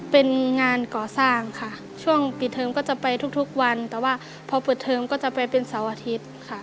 เป็นงานก่อสร้างค่ะช่วงปิดเทอมก็จะไปทุกวันแต่ว่าพอเปิดเทอมก็จะไปเป็นเสาร์อาทิตย์ค่ะ